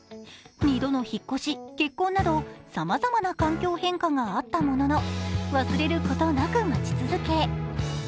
２度の引っ越し、結婚などさまざまな環境変化があったものの忘れることなく待ち続け